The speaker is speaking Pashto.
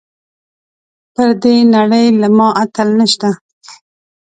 پر دې نړۍ له ما اتل نشته .